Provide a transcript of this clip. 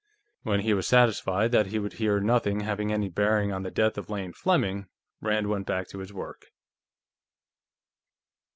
When he was satisfied that he would hear nothing having any bearing on the death of Lane Fleming, Rand went back to his work.